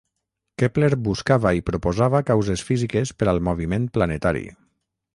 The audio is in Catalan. Kepler buscava i proposava causes físiques per al moviment planetari.